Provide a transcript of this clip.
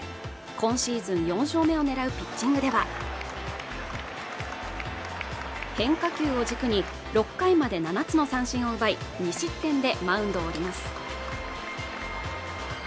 今シーズン４勝目を狙うピッチングでは変化球を軸に６回まで７つの三振を奪い２失点でマウンドを降ります